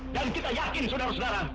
dan kita yakin saudara saudara